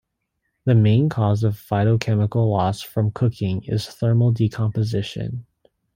The main cause of phytochemical loss from cooking is thermal decomposition.